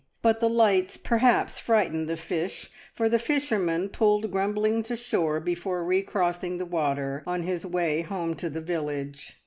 But the lights perhaps frightened the fish, for the fisherman pulled grumbling to shore before recrossing the water on his way home to the village.